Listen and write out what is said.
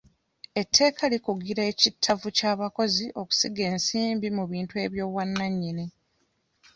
Etteeka likugira ekittavvu ky'abakozi okusiga ensimbi mu bintu eby'obwannannyini.